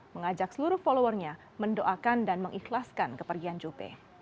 mengajak seluruh followernya mendoakan dan mengikhlaskan kepergian juppe